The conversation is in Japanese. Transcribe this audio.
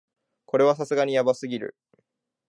これはさすがにヤバすぎる